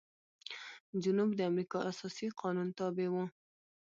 جنوب د امریکا اساسي قانون تابع و.